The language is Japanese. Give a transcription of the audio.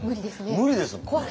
無理ですね。